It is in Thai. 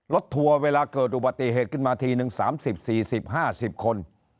ทัวร์เวลาเกิดอุบัติเหตุขึ้นมาทีนึง๓๐๔๐๕๐คน